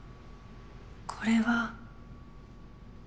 これは？